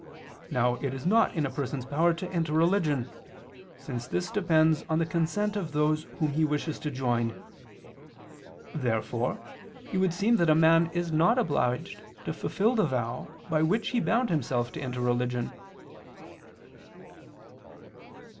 Now it is not in a person's power to enter religion, since this depends on the consent of those whom he wishes to join. Therefore it would seem that a man is not obliged to fulfil the vow by which he bound himself to enter religion.